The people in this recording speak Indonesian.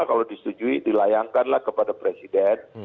kalau disetujui dilayangkanlah kepada presiden